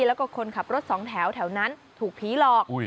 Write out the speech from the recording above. แล้วก็คนขับรถสองแถวนั้นถูกผีหลอก